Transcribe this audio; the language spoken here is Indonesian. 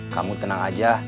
kamu tenang aja